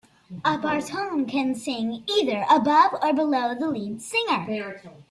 The baritone can sing either above or below the lead singer.